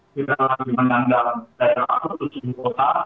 tidak lagi menandang daerah daerah tujuh kota